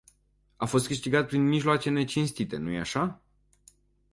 A fost câștigat prin mijloace necinstite, nu-i așa?